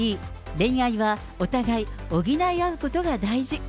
恋愛は、お互い補い合うことが大事。